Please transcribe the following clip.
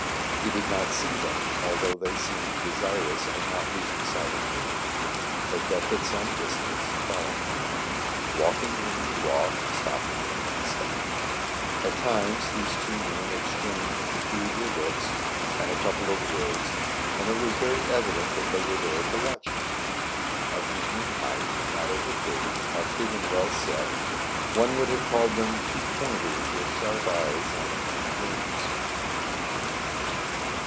He did not see them, although they seemed desir ous of not losing sight of him. They kept at some distance, following him, — walking when he walked, stopping when he stopped. At times these two men exchanged peculiar looks and a couple of words, and it was very evident that they were there to watch him. Of medium height, not over thirty, active, and well set, one would have called them two pointers with sharp eyes and fleet limbs.